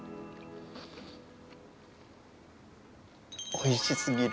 おいしすぎる。